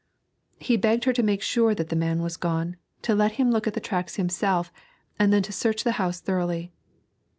He begged her to make sure that the man was gone, to let him look at the tracks himself and then to search the house thoroughly.